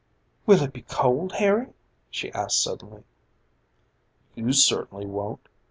"Will I be cold, Harry?" she asked suddenly. "You certainly won't.